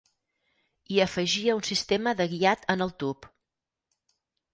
I afegia un Sistema de guiat en el tub.